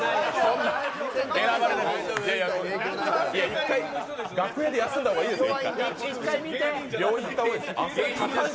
一回、楽屋で休んだ方がいいですよ。